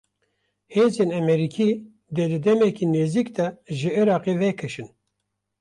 Hêzên Emerîkî, dê di demeke nêzik de ji Iraqê vekişin